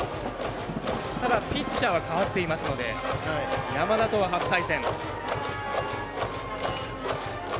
ただ、ピッチャーは代わっていますので山田とは初対戦。